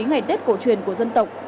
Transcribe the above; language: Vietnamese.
ngày tết cổ truyền của dân tộc